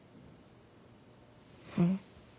うん。